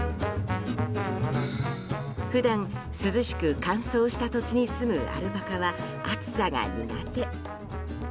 普段、涼しく乾燥した土地に住むアルパカは、暑さが苦手。